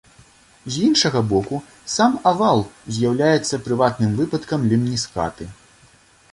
З іншага боку, сам авал з'яўляецца прыватным выпадкам лемніскаты.